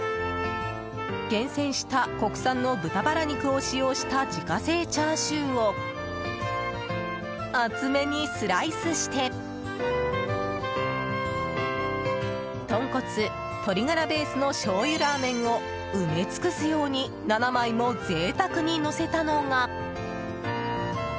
厳選した国産の豚バラ肉を使用した自家製チャーシューを厚めにスライスして豚骨、鶏がらベースのしょうゆラーメンを埋め尽くすように７枚も贅沢にのせたのが。